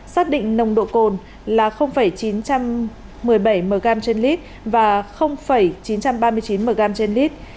xác định nồng độ cồn là chín trăm một mươi bảy mg trên lít và chín trăm ba mươi chín mg trên lít